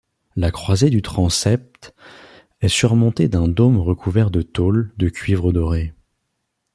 La croisée du transept est surmontée d'un dôme recouvert de tôles de cuivre doré.